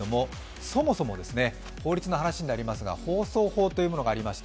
そもそも法律の話になりますが、放送法というのがあります。